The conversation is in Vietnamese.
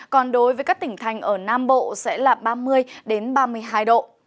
còn đối với các tỉnh thành ở nam bộ sẽ là ba mươi ba mươi hai độ